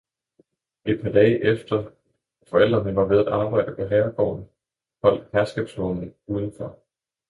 Et par dage efter, forældrene var ved arbejde på herregården, holdt herskabsvognen udenfor.